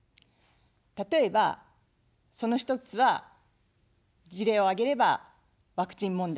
例えば、その１つは、事例を挙げればワクチン問題です。